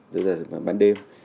giữa giờ bán đêm